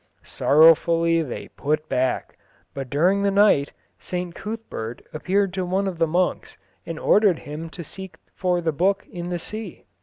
Sorrowfully they put back, but during the night St Cuthbert appeared to one of the monks and ordered him to seek for the book in the sea.